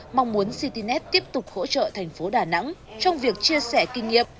mong muốn citynet tiếp tục hỗ trợ thành phố đà nẵng trong việc chia sẻ kinh nghiệm